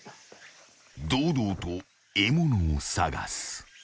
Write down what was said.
［堂々と獲物を探す］